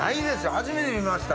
初めて見ました。